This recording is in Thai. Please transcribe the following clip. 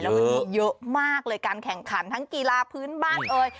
วันนี้เยอะมากเลยการแข่งขันทั้งกีฬาพื้นบ้านเอ่ย